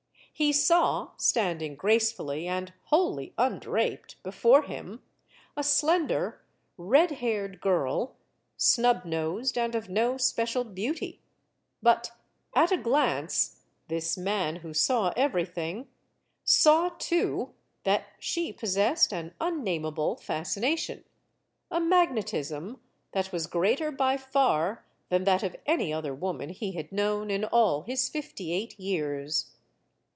He saw, standing gracefully and wholly undraped before him, a slender, red haired girl, snub nosed and of no special beauty. But, at a glance, this man who saw every thing, saw, too, that she possessed an unnameable fascination a magnetism that was greater by far than that of any other woman he had known in all his fifty eight years.